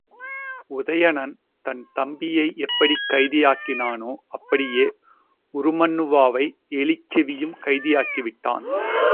உதயணன் தன் தம்பியை எப்படிக் கைதியாக்கினானோ அப்படியே உருமண்ணுவாவை எலிச்செவியும் கைதியாக்கி விட்டான்.